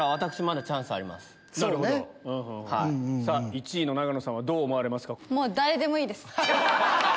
１位の永野さんはどう思われますか？